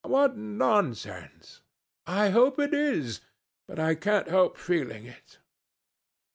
"What nonsense!" "I hope it is, but I can't help feeling it.